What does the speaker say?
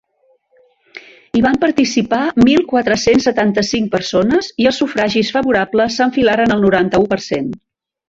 Hi van participar mil quatre-cents setanta-cinc persones i els sufragis favorables s’enfilaren al noranta-u per cent.